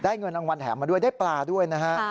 เงินรางวัลแถมมาด้วยได้ปลาด้วยนะฮะ